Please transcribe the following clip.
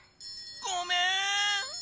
ごめん！